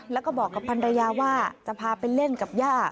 แล้วก็บอกกับภรรยาว่าจะพาไปเล่นกับย่า